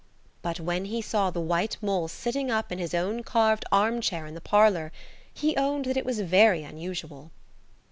But when he saw the white mole sitting up in his own carved arm chair in the parlour, he owned that it was very unusual.